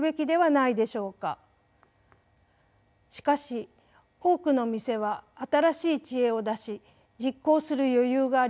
しかし多くの店は新しい知恵を出し実行する余裕がありません。